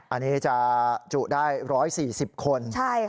อันนี้จะจุได้๑๔๐คน